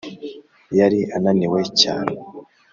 yari ananiwe cyane